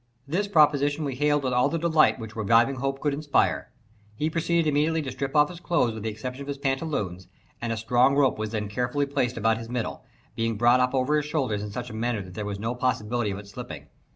This proposition we hailed with all the delight which reviving hope could inspire. He proceeded immediately to strip off his clothes with the exception of his pantaloons; and a strong rope was then carefully fastened around his middle, being brought up over his shoulders in such a manner that there was no possibility of its slipping.